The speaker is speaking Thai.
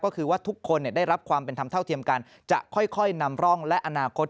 ก็คือว่าทุกคนได้รับความเป็นธรรมเท่าเทียมกันจะค่อยนำร่องและอนาคต